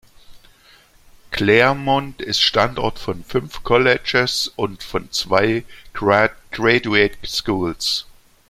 Claremont ist Standort von fünf Colleges und von zwei Graduate Schools.